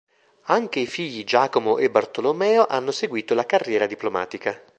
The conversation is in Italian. Anche i figli Giacomo e Bartolomeo hanno seguito la carriera diplomatica.